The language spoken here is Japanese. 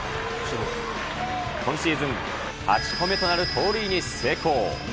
今シーズン８個目となる盗塁に成功。